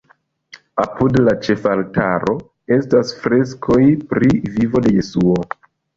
Apud la ĉefaltaro estas freskoj pri vivo de Jesuo.